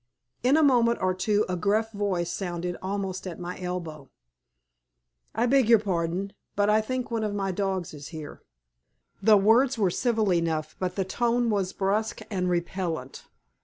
In a moment or two a gruff voice sounded almost at my elbow. "I beg pardon, but I think one of my dogs is here." The words were civil enough, but the tone was brusque and repellant.